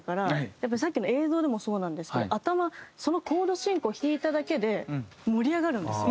やっぱりさっきの映像でもそうなんですけど頭そのコード進行を弾いただけで盛り上がるんですよ。